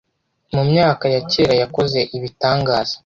mu myaka yakera yakoze ibitangaza